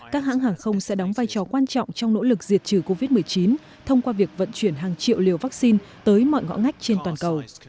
các hãng hàng không sẽ đóng vai trò quan trọng trong nỗ lực diệt trừ covid một mươi chín thông qua việc vận chuyển hàng triệu liều vaccine tới mọi ngõ ngách trên toàn cầu